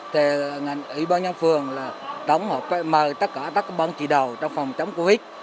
thì ngành y báo nhân phường là mời tất cả các bệnh trị đầu trong phòng chống covid